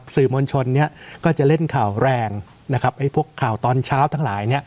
สื่อมวลชนก็จะเล่นข่าวแรงนะครับไอ้พวกข่าวตอนเช้าทั้งหลาย